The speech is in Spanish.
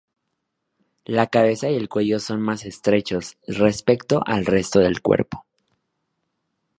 La cabeza y el cuello son más estrechos respecto al resto del cuerpo.